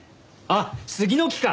あっ杉の木か！